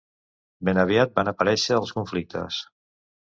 Ben aviat van aparèixer els conflictes.